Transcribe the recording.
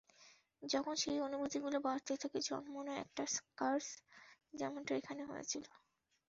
যখন সেই অনুভূতিগুলো বাড়তে থাকে, জন্ম নেয় একটা কার্স, যেমনটা এখানে হয়েছিলো।